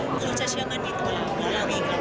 คือจะเชื่อมันในตัวเราแล้วก็ใช้เองใช้จริง